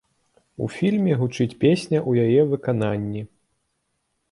У фільме гучыць песня ў яе выкананні.